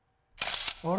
あれ？